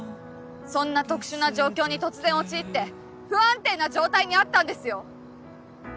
そんな特殊な状況に突然陥って不安定な状態にあったんですよ！